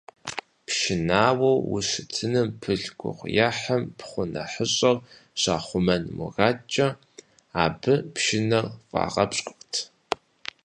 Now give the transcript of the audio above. Пшынауэу ущытыным пылъ гугъуехьым пхъу нэхъыщӀэр щахъумэн мурадкӀэ, абы пшынэр фӀагъэпщкӀурт.